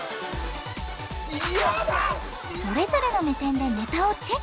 それぞれの目線でネタをチェック！